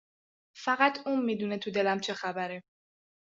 فقط اون میدونه تو دلم چه خبره